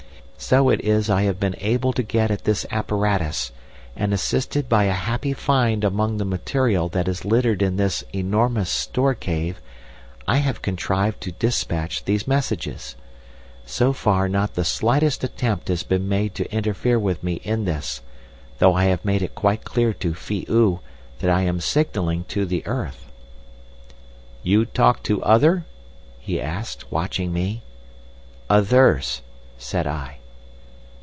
So it is I have been able to get at this apparatus, and, assisted by a happy find among the material that is littered in this enormous store cave, I have contrived to despatch these messages. So far not the slightest attempt has been made to interfere with me in this, though I have made it quite clear to Phi oo that I am signalling to the earth. "'You talk to other?' he asked, watching me. "'Others,' said I.